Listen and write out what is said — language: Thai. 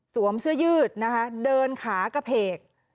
สวมเสื้อยืดเดินขากระเพก